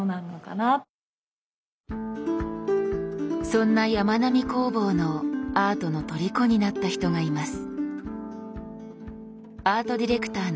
そんなやまなみ工房のアートのとりこになった人がいます。